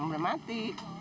dan udah mati